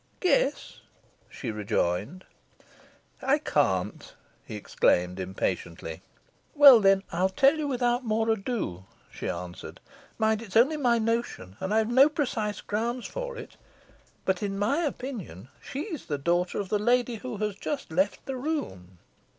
"Guess," she rejoined. "I can't," he exclaimed, impatiently. "Well, then, I'll tell you without more ado," she answered. "Mind, it's only my notion, and I've no precise grounds for it. But, in my opinion, she's the daughter of the lady who has just left the room."